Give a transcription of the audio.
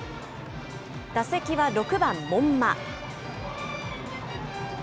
打席は６番門間。